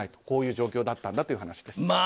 こういう状況だったんだという話です。